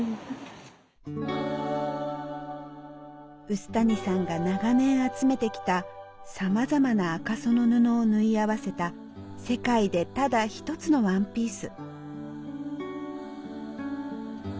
臼谷さんが長年集めてきたさまざまな赤苧の布を縫い合わせた世界でただ一つのワンピース。